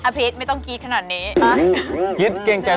อภิษไม่ต้องกี๊บขนาดนี้